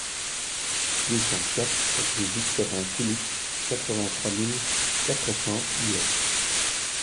deux cent quatre rue Victorin Philip, quatre-vingt-trois mille quatre cents Hyères